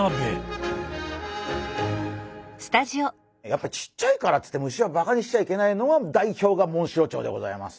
やっぱりちっちゃいからっつって虫をバカにしちゃいけない代表がモンシロチョウでございます。